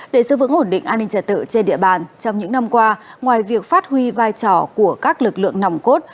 để giữ vững ổn định an ninh trả tự trên địa bàn trong những năm qua ngoài việc phát huy vai trò của các lực lượng nòng cốt